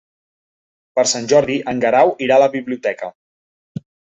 Per Sant Jordi en Guerau irà a la biblioteca.